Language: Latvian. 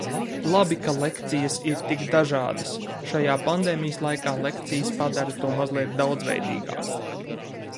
Labi, ka lekcijas ir tik dažādas. Šajā pandēmijas laikā lekcijas padara to mazliet daudzveidīgāku.